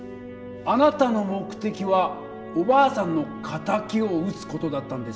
あなたの目的はおばあさんの敵を討つ事だったんですよね？